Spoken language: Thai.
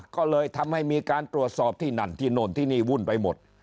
ก็เลยทำให้มีการตรวจสอบที่นั่นที่โน่นที่นี่วุ่นไปหมด